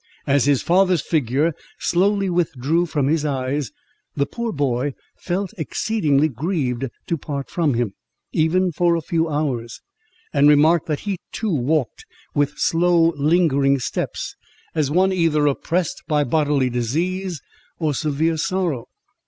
As his father's figure slowly withdrew from his eyes, the poor boy felt exceedingly grieved to part from him, even for a few hours, and remarked that he too walked with slow and lingering steps, as one either oppressed by bodily disease, or severe sorrow.